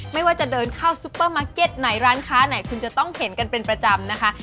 ไม่ว่าจะเดินเข้าซุปเปอร์มาร์เก็ตไหนร้านค้าไหนคุณจะต้องเห็นกันเป็นประจำนะคะ